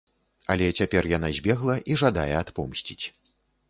Але цяпер яна збегла і жадае адпомсціць.